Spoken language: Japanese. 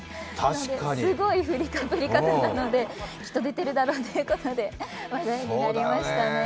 すごい振り方なので、きっと出ているだろうと話題になりましたね。